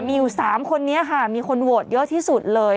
มีอยู่๓คนนี้ค่ะมีคนโหวตเยอะที่สุดเลย